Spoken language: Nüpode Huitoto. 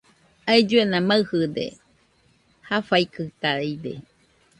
Ailluena maɨde, jafaikɨtaide.